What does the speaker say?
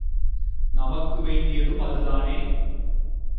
நமக்கு வேண்டியதும் அது தானே?